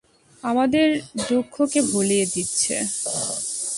আমাদের দুঃখকে ভুলিয়ে দিচ্ছে।